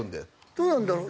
どうなんだろう？